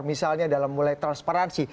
misalnya dalam mulai transparansi